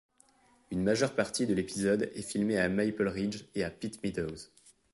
Une majeure partie de l'épisode est filmée à Maple Ridge et à Pitt Meadows.